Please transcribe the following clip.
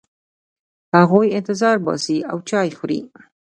هغوی انتظار باسي او چای خوري.